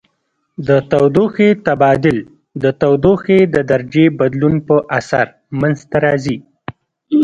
د تودوخې تبادل د تودوخې د درجې بدلون په اثر منځ ته راځي.